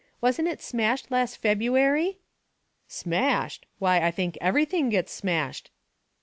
wasn't it smashed last February?" "Smashed! why, I think everything gets smashed."